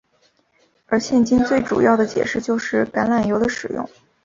而现今最主要的解释就是橄榄油的使用。